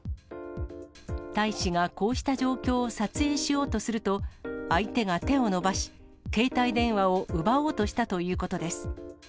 大使がこうした状況を撮影しようとすると、相手が手を伸ばし、携帯電話を奪おうとしたということです。